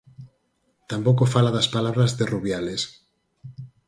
Tampouco fala das palabras de Rubiales.